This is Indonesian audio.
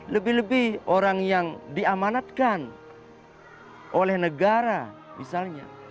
lebih lebih orang yang diamanatkan oleh negara misalnya